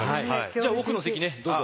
じゃあ奥の席ねどうぞ。